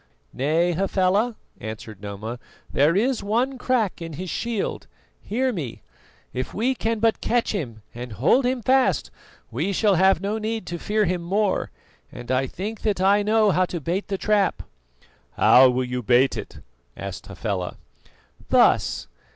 "Nay, Hafela," answered Noma, "there is one crack in his shield. Hear me: if we can but catch him and hold him fast we shall have no need to fear him more, and I think that I know how to bait the trap." "How will you bait it?" asked Hafela. "Thus.